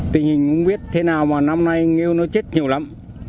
tình hình cũng biết thế nào mà năm nay nghêu nó chết nhiều lắm